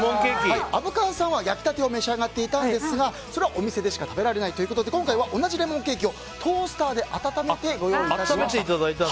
虻川さんは焼きたてを召し上がっていたんですがそれはお店でしか食べられないということで今回は同じレモンケーキをトースターで温めてご用意いたしました。